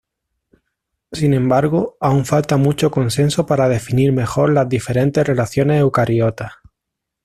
Sin embargo, aún falta mucho consenso para definir mejor las diferentes relaciones eucariotas.